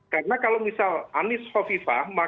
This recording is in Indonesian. karena kalau misal anies wafifah